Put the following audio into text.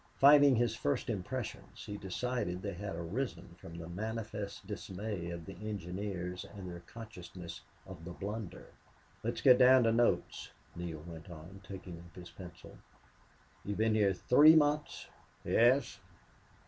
Fighting his first impressions, he decided they had arisen from the manifest dismay of the engineers and their consciousness of a blunder. "Let's get down to notes," Neale went on, taking up his pencil. "You've been here three months?" "Yes."